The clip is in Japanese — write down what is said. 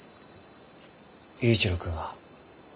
佑一郎君は？